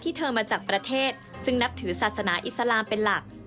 เธอมาจากประเทศซึ่งนับถือศาสนาอิสลามเป็นหลัก